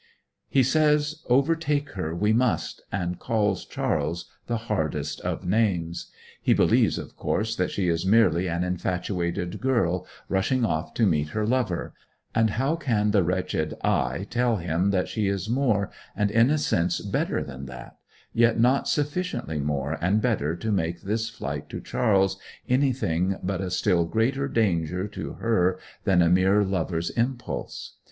He says overtake her we must, and calls Charles the hardest of names. He believes, of course, that she is merely an infatuated girl rushing off to meet her lover; and how can the wretched I tell him that she is more, and in a sense better than that yet not sufficiently more and better to make this flight to Charles anything but a still greater danger to her than a mere lover's impulse.